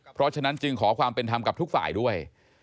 เพราะฉะนั้นจึงขอความเป็นธรรมกับทุกฝ่ายด้วย